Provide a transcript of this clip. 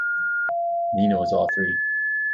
Nino is all three.